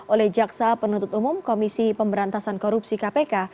oleh jaksa penuntut umum komisi pemberantasan korupsi kpk